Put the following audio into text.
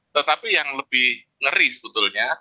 tetapi yang lebih ngeri sebetulnya